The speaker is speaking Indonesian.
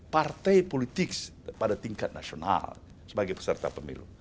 partai politik pada tingkat nasional sebagai peserta pemilu